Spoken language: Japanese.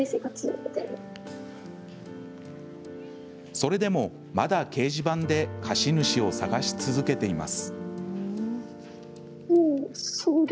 それでも、まだ掲示板で貸し主を探し続けています。